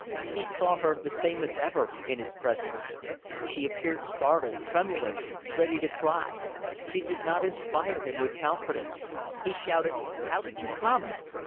He saw her the same as ever, in his presence. She appeared startled, tremulous, ready to cry. She did not inspire him with confidence. He shouted "How did you come?"